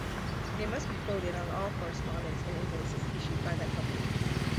It must be quoted on all correspondence and invoices issued by that company.